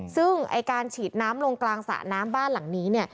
ซึ่งการฉีดน้ำลงกลางสระน้ำบ้านหลังนี้